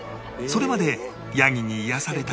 それまでヤギに癒やされたり